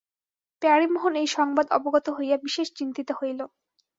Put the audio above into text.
প্যারীমোহন এই সংবাদ অবগত হইয়া বিশেষ চিন্তিত হইল।